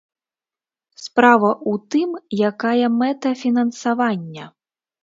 Справа ў тым, якая мэта фінансавання.